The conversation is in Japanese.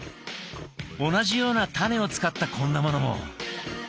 同じようなタネを使ったこんなものも。